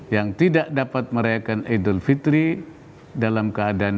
yang tidak dapat merayakan idul fitri dalam keadaan